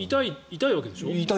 痛いわけでしょ？